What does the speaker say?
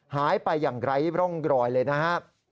หายไปอย่างไร้ร่องรอยเลยนะครับ